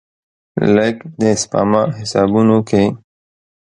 لږ، د سپما حسابونو کې